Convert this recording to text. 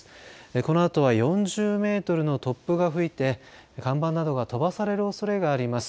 このあとは４０メートルの突風が吹いて看板などが飛ばされるおそれがあります。